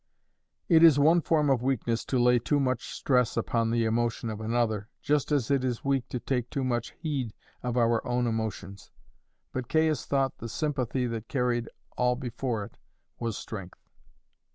It is one form of weakness to lay too much stress upon the emotion of another, just as it is weak to take too much heed of our own emotions; but Caius thought the sympathy that carried all before it was strength.